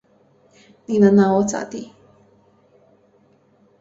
你能拿我咋地？